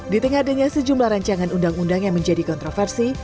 di tengah adanya sejumlah rancangan undang undang yang menjadi kontroversi